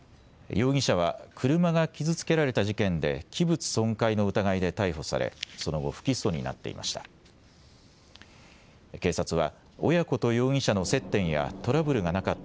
容疑者は、車が傷つけられた事件で、器物損壊の疑いで逮捕され、その後、不起訴になっていました。